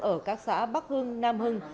ở các xã bắc hưng nam hưng